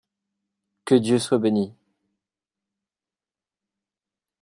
Que Dieu soit bénit !